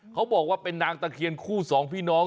เขาบอกว่าเป็นนางตะเคียนคู่สองพี่น้อง